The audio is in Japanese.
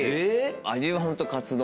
味はホントカツ丼。